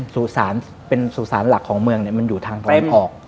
สู่สารเป็นสู่สารหลักของเมืองเนี่ยมันอยู่ทางฝนผอก